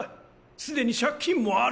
すでに借金もある。